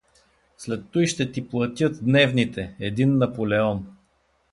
След туй ще ти платят дневните — един наполеон!